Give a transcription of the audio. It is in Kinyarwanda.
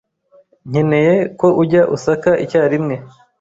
nkeneye ko ujya Osaka icyarimwe.